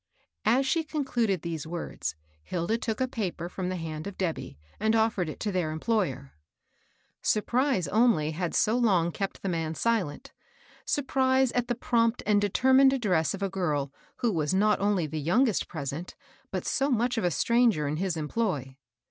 As she concluded these words, Hilda took a paper fi:om the hand of Debby, and ofifered it to their employer. Surprise only had so long kept the man si THE '* STRIKE." 169 lent, — surprise at the prompt and determined address of a girl who was not only the youngest present, but so much of a stranger in his employ.